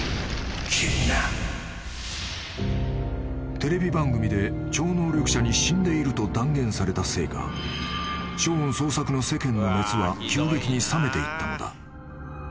［テレビ番組で超能力者に死んでいると断言されたせいかショーン捜索の世間の熱は急激に冷めていったのだ］